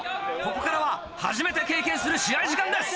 ここからは初めて経験する試合時間です。